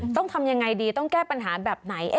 ต้องทำยังไงดีต้องแก้ปัญหาแบบไหน